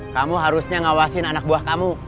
kamu harusnya ngawasin anak buah kamu